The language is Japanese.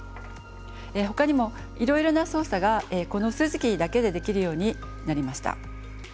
ほかにもいろいろな操作がこの数字キーだけでできるようになりました。